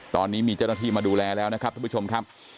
ตอนนี้มีเจ้าหน้าที่มาดูแลแล้วนะครับท่านผู้ชมครับ